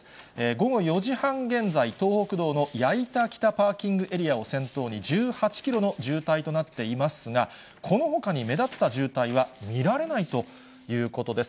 午後４時半現在、東北道の矢板北パーキングエリアを先頭に１８キロの渋滞となっていますが、このほかに目立った渋滞は見られないということです。